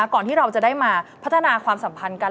ก่อนที่เราจะได้มาพัฒนาความสัมพันธ์กัน